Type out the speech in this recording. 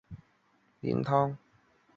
注释期刊论文